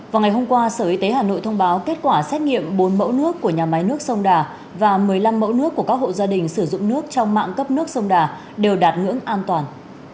vào ngày hôm qua sở y tế hà nội thông báo kết quả xét nghiệm bốn mẫu nước của nhà máy nước sông đà và một mươi năm mẫu nước của các hộ gia đình sử dụng nước trong mạng cấp nước sông đà đều đạt ngưỡng an toàn